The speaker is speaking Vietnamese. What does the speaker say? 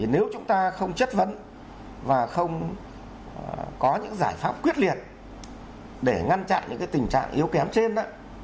nếu chúng ta không chất vấn và không có những giải pháp quyết liệt để ngăn chặn những tình trạng yếu kém trên